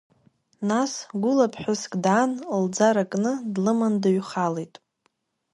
Нас гәылаԥҳәыск даан, лӡара кны длыман дыҩхалеит.